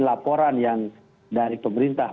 laporan yang dari pemerintah